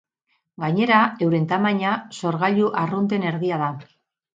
Gainera euren tamaina, sorgailu arrunten erdia da.